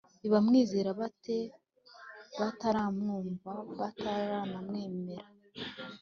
i bamwizera bate bataramwumva batanamwemera